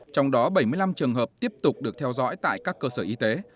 trong đó bảy mươi năm trường hợp tiếp tục được theo dõi tại các cơ sở y tế